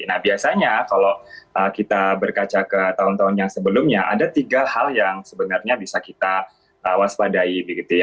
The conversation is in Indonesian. nah biasanya kalau kita berkaca ke tahun tahun yang sebelumnya ada tiga hal yang sebenarnya bisa kita waspadai